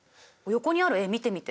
横にある絵見てみて。